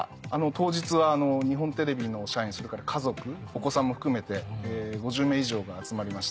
当日は日本テレビの社員それから家族お子さんも含めて５０名以上が集まりました。